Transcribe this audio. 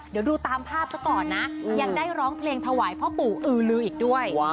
เดี๋ยวดูตามภาพซะก่อนนะยังได้ร้องเพลงถวายพ่อปู่อือลืออีกด้วย